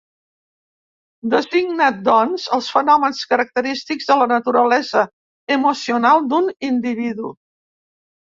Designa, doncs, els fenòmens característics de la naturalesa emocional d'un individu.